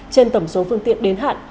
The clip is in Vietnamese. trên tổng số phương tiện đến hạn